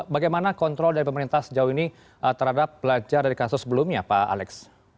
bagaimana kontrol dari pemerintah sejauh ini terhadap belajar dari kasus sebelumnya pak alex